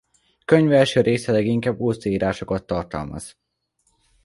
Könyve első része leginkább útleírásokat tartalmaz.